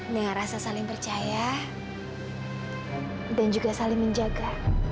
merasa saling percaya dan juga saling menjaga